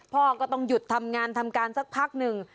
พ่อก็ต้องหยุดทำงานทำการสักพักหนึ่ง